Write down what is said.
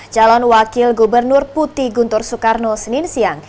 calon wakil gubernur putih guntur soekarno senin siang